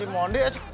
si mondi asik